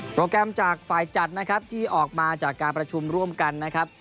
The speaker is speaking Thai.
โปรแกรมถึงจากฝ่ายจัดที่ออกมาจากการประชุมร่วมกันนะครับ